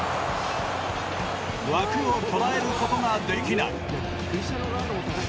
枠を捉えることができない。